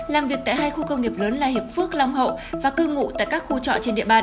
làm việc tại hai khu công nghiệp lớn là hiệp phước long hậu và cư ngụ tại các khu trọ trên địa bàn